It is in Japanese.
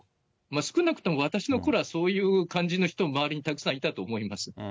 少なくとも私のころはそういう感じの人、周りにたくさんいたと思います。